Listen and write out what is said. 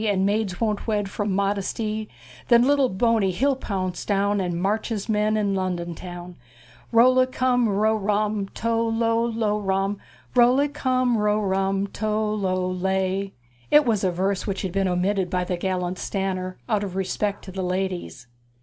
And maids' won't wed' from mod' es ty', Then lit' tle Bo' ney he'll pounce down', And march' his men' on Lon' don town'! Chorus. Rol' li cum ro' rum, tol' lol lo' rum, Rol' li cum ro' rum, tol' lol lay. It was a verse which had been omitted by the gallant Stanner, out of respect to the ladies.